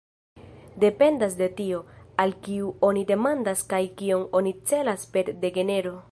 Dependas de tio, al kiu oni demandas kaj kion oni celas per "degenero".